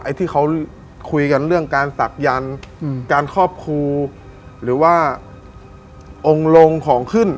ที่เขาคุยกันเรื่องการศักยันต์การครอบครูหรือว่าองค์ลงของขึ้น